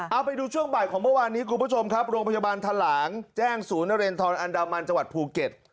เอาไปดูช่วงบ่ายของเมื่อวานนี้คุณผู้ชมครับโรงพยาบาลทะหลางแจ้งศูนย์นเรนทรอันดามันจังหวัดภูเก็ต